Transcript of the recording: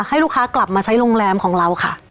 ให้ลูกค้ากลับมาใช้โรงแรมของเราค่ะ